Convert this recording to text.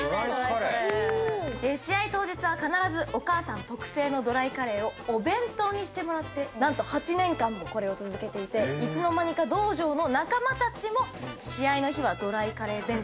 試合当日は必ずお母さん特製のドライカレーをお弁当にしてもらってなんと８年間もこれを続けていていつの間にか道場の仲間たちも試合の日はドライカレー弁当。